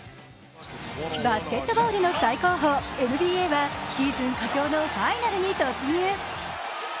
バスケットボールの最高峰ＮＢＡはシーズン佳境のファイナルに突入。